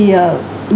chúng ta cũng chưa có